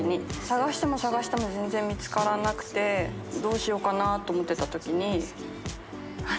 捜しても捜しても全然見つからなくてどうしようかなと思ってた時に。